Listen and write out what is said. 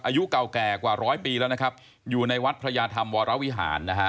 อายุเก่าแก่กว่าร้อยปีแล้วนะครับอยู่ในวัดพระยาธรรมวรวิหารนะฮะ